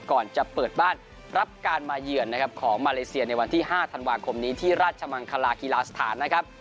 ก่อนจะเปิดบ้านรับการมาเยือนนะครับของมาเลเซียในวันที่๕ธันวาคมนี้ที่ราชมังคลากีฬาสถานนะครับ